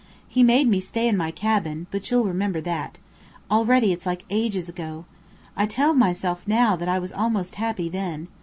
He made me stay in my cabin but you'll remember that. Already it's like ages ago! I tell myself now that I was almost happy then.